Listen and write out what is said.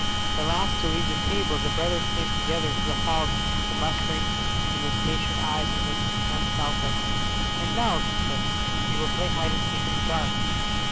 The last to leave the table, the brothers came together to the hall to meet the mustering and impatient eyes of Mrs Henne Falcon. "And now," she said, "we will play hide and seek in the dark."